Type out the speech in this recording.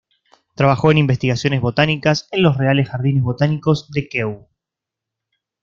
Trabajó en investigaciones botánicas en los Reales Jardines Botánicos de Kew.